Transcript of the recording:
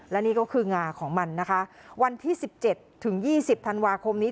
และนี่ก็คืองาของมันนะคะวันที่๑๗ถึง๒๐ธันวาคมนี้